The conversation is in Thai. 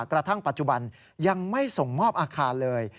กระทั่งปัจจุบันยังไม่ส่งมอบอาคารเลย